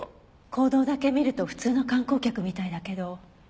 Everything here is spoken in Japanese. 行動だけ見ると普通の観光客みたいだけど。